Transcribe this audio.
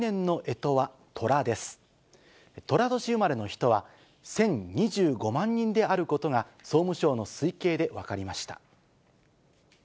とら年生まれの人は１０２５万人であることが、総務省の推計で分かりました。